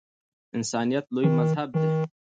انسانیت لوی مذهب دی